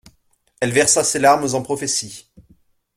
Elle versa ses larmes en prophéties.